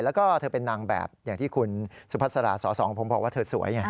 แล้วก็เธอเป็นนางแบบอย่างที่คุณสุพัสราสอสองผมบอกว่าเธอสวยไง